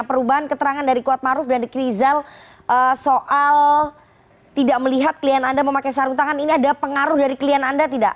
perubahan keterangan dari kuatmaruf dan riki rizal soal tidak melihat klien anda memakai sarung tangan ini ada pengaruh dari klien anda tidak